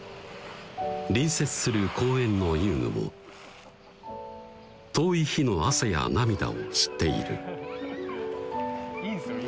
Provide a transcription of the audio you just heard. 隣接する公園の遊具も遠い日の汗や涙を知っているいいんすよ